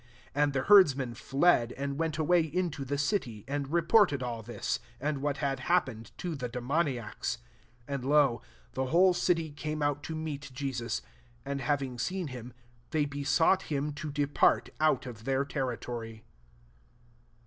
$3 And the herdsmen Bed, and went away into the city, and re ported all this i and what had happened to the demoniacs. 34 And, lo, the whole city came out to meet Jesus ; and having seen him, they besought him to depart out of their territory.